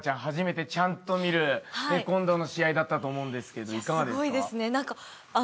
初めてちゃんと見るテコンドーの試合だったと思うんですけどいかがですか？